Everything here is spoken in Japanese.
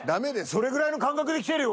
それぐらいの感覚で来てるよ